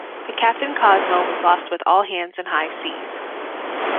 The "Captain Cosmo" was lost with all hands in high seas.